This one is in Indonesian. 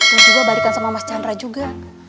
dan juga balikan sama mas chandra juga